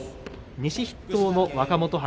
西筆頭の若元春